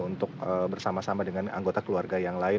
untuk bersama sama dengan anggota keluarga yang lain